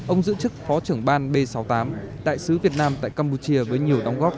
ông giữ chức phó trưởng ban b sáu mươi tám đại sứ việt nam tại campuchia với nhiều đóng góp